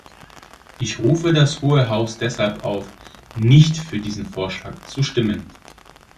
Ich rufe das Hohe Haus deshalb auf, nicht für diesen Vorschlag zu stimmen.